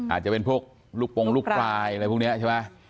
อาจจะเป็นพวกลูกโปรงลูกควายอะไรพวกนี้ใช่ไหม